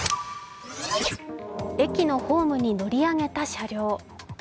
駅のホームに乗り上げた車両。